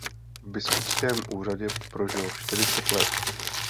V biskupském úřadě prožil čtyřicet let.